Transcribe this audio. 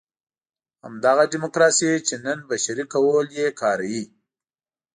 همدغه ډیموکراسي چې نن بشري کهول یې کاروي.